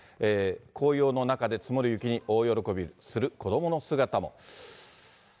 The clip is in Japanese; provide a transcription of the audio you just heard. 紅葉の中で積もる雪に大喜びする子どもの姿も。